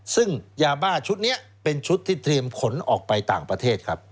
ซึ่งยาบ้าชุดนี้เป็นชุดที่เตรียมขนออกไปต่างประเทศครับ